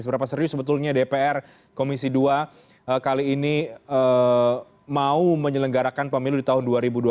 seberapa serius sebetulnya dpr komisi dua kali ini mau menyelenggarakan pemilu di tahun dua ribu dua puluh